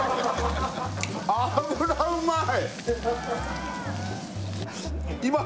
脂うまい！